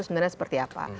sebenarnya seperti apa